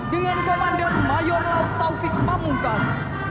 dengan komandan mayor laut taufik pamungkas